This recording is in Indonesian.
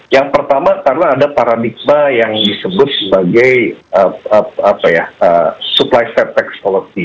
yang pertama karena ada paradigma yang disebut sebagai supply safe tax alocy